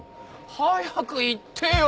早く言ってよ！